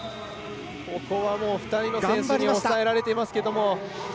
ここはもう２人の選手に抑えられていますけれども。